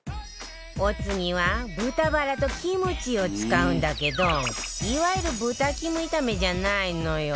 お次は豚バラとキムチを使うんだけどいわゆる豚キム炒めじゃないのよ